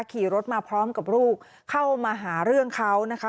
ขี่รถมาพร้อมกับลูกเข้ามาหาเรื่องเขานะคะ